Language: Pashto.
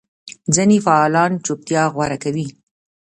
ځینې فعالان چوپتیا غوره کوي.